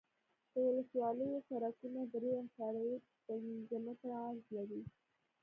د ولسوالیو سرکونه درې اعشاریه پنځه متره عرض لري